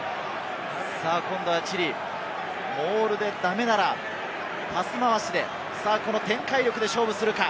今度はチリ、モールで駄目ならパス回しで、この展開力で勝負するか？